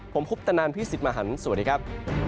ผมคุปตนันพี่สิทธิ์มหันฯสวัสดีครับ